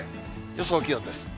予想気温です。